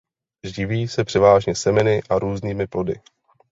Živí se převážně semeny a různými plody.